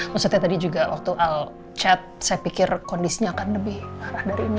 maksudnya tadi juga waktu al chat saya pikir kondisinya akan lebih parah dari ini